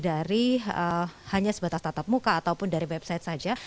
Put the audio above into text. dari hanya sebatas tatap muka ataupun dari website saja